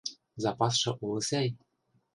Запасшы улы сӓй...